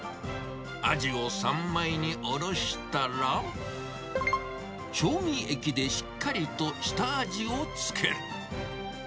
アジを三枚におろしたら調味液でしっかりと下味をつける。